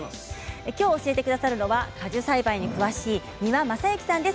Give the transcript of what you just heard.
きょう教えてくださるのは果樹栽培に詳しい三輪正幸さんです。